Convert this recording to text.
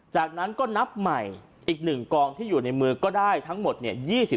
จากนั้นก็นับใหม่อีก๑กองที่อยู่ในมือก็ได้ทั้งหมดเนี่ย